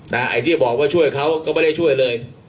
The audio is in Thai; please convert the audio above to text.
ไอ้ที่บอกว่าช่วยเขาก็ไม่ได้ช่วยเลย